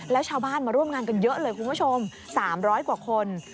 แล้วชาวบ้านมาร่วมงานกันเยอะเลยคุณผู้ชม๓๐๐กว่าคน